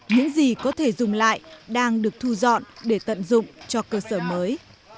những gì có thể dùng lại đang được thu dọn để tận dụng cho cơ sở mới